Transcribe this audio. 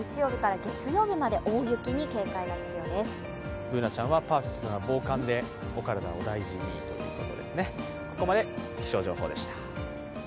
Ｂｏｏｎａちゃんはパーフェクトな防寒でお体お大事にと。